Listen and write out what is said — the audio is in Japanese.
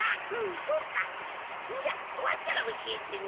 そっかんじゃおわったらおしえてね。